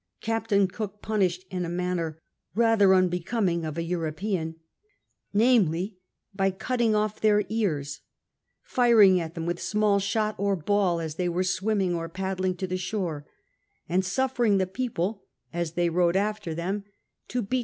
Captain Cook punished in a manner rather unbecoming of an European, viz. by cutting off their ears, firiDg at them with small shot or ball as they were swimming or paddling to the shore, and suffering the x^eople (as he rowed after them) to beat 124 CAPTAm COOK CHAP.